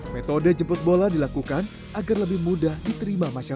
metode jemput bola dilakukan agar lebih mudah diterima masyarakat